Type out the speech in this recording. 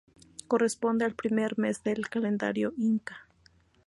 Corresponde al primer mes del calendario inca.